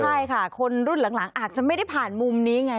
ใช่ค่ะคนรุ่นหลังอาจจะไม่ได้ผ่านมุมนี้ไง